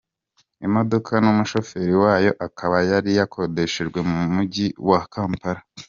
Imodoka n’umushoferi wayo akaba yari yakodeshejwe mu mujyi wa Kampala.